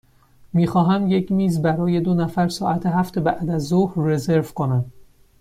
می خواهم یک میز برای دو نفر ساعت هفت بعدازظهر رزرو کنم.